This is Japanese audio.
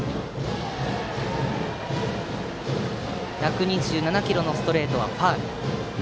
１２７キロのストレートはファウル。